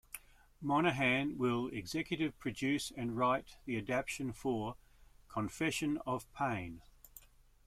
Monahan will executive produce and write the adaptation for "Confession of Pain".